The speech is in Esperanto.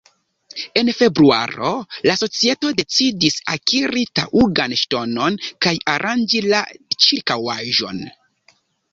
En februaro la societo decidis akiri taŭgan ŝtonon kaj aranĝi la ĉirkaŭaĵon.